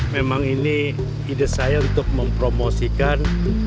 memang ini ide saya untuk mempromosikan